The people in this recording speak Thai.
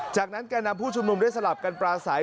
จากนั้นแกนามผู้ชมนมได้สลับกันปลาสาย